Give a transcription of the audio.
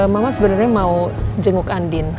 mama sebenarnya mau jenguk andin